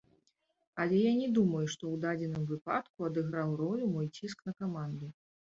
Але я не думаю, што ў дадзеным выпадку адыграў ролю мой ціск на каманду.